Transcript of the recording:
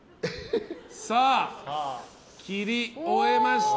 切り終えました。